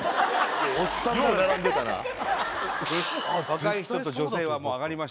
若い人と女性はもう上がりました。